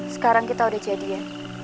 sekarang kita udah jadi ya